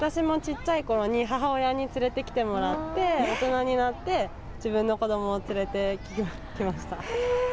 そうですね、私もちっちゃいころに、母親に連れてきてもらって、大人になって、自分の子どもを連れてきました。